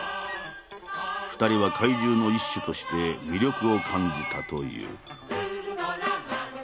２人は怪獣の一種として魅力を感じたという。